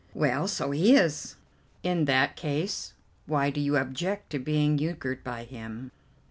"Well, so he is." "In that case, why do you object to being euchred by him?"